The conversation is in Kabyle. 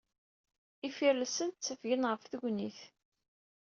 Ifirellsen ttafgen ɣef tegnit.